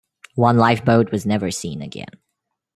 One lifeboat was never seen again.